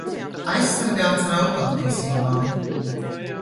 Aizsargāts ar autortiesībām